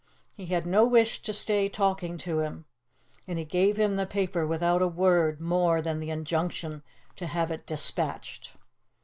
He had no wish to stay talking to him, and he gave him the paper without a word more than the injunction to have it despatched.